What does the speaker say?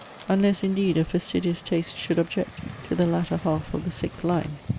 Unless, indeed, a fastidious taste should object to the latter half of the sixth line.